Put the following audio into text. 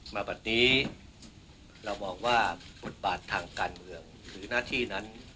บัดนี้เรามองว่าบทบาททางการเมืองหรือหน้าที่นั้น